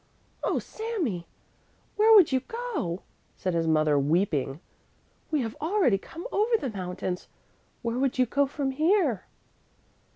"Oh, Sami, where would you go?" said his mother, weeping. "We have already come over the mountains, where would you go from here?"